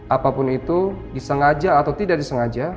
apapun itu disengaja atau tidak disengaja